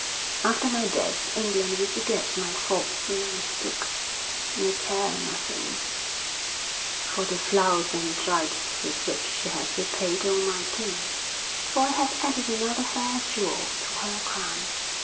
After my death England will forget my faults and my mistakes; and I care nothing for the flouts and gibes with which she has repaid all my pain, for I have added another fair jewel to her crown.